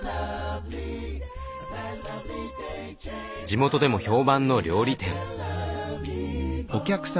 地元でも評判の料理店。